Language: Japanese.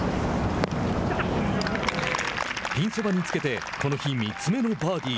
ピンそばにつけてこの日、３つ目のバーディー。